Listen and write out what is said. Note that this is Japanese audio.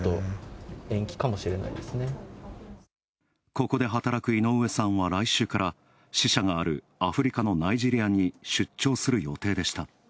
ここで働く井上さんは来週から支社があるアフリカのナイジェリアに出張する予定でした。